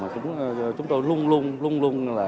mà chúng tôi luôn luôn